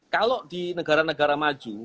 kalau di negara negara maju